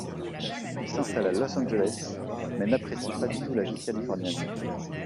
Il s'installe à Los Angeles, mais n'apprécie pas du tout la vie californienne.